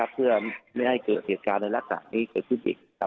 เพื่อไม่ให้เกิดเหตุการณ์ในลักษณะนี้เกิดขึ้นอีก